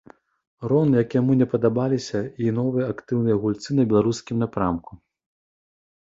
Роўна як яму не падабаліся і новыя актыўныя гульцы на беларускім напрамку.